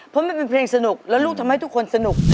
เพราะมันเป็นเพลงสนุกแล้วลูกทำให้ทุกคนสนุก